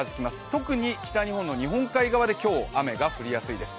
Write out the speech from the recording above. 特に北日本の日本海側で今日、雨が降り易いです。